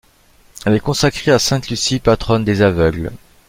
Elle est consacrée à sainte Lucie, patronne des aveugles.